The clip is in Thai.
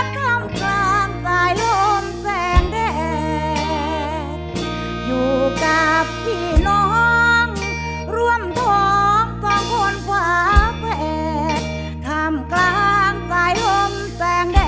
เพียงเจ้าที่นะครับ